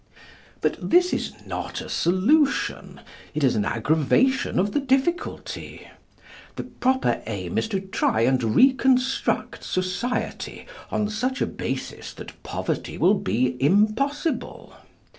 But this is not a solution: it is an aggravation of the difficulty. The proper aim is to try and reconstruct society on such a basis that poverty will be impossible.